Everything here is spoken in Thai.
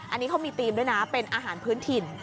อันนี้เขามีธีมด้วยนะเป็นอาหารพื้นถิ่น